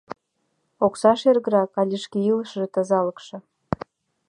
Окса шергырак але шке илышыже, тазалыкше?